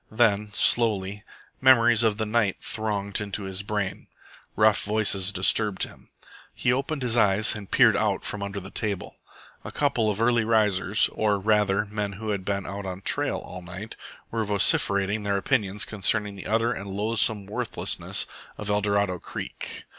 Then, slowly, memories of the night thronged into his brain. Rough voices disturbed him. He opened his eyes and peered out from under the table. A couple of early risers, or, rather, men who had been out on trail all night, were vociferating their opinions concerning the utter and loathsome worthlessness of Eldorado Creek.